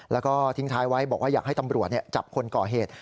แล้วก็ทิ้งท้ายไว้บอกว่าอยากให้ตำรวจจับคนก่อเหตุ